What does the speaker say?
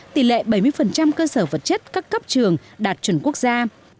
tỷ lệ bảy mươi cơ sở vật chất các cấp trường đạt chuẩn quốc gia